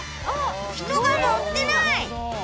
人が乗ってない！